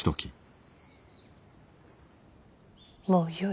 もうよい。